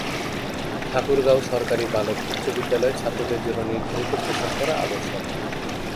ঠাকুরগাঁও সরকারি বালক উচ্চ বিদ্যালয়ে ছাত্রদের জন্য নির্ধারিত পোশাক পরা আবশ্যক।